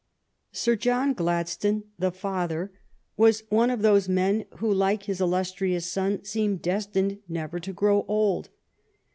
Sir John Gladstone, the father, was one of those "THE GLEDSTANES" 7 men who, like his illustrious son, seem destined never to grow old.